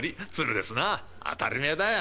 「当たりめえだよ。